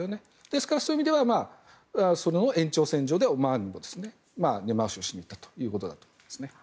ですから、そういう意味ではその延長線上でオマーンも根回しをしに行ったということだと思いますね。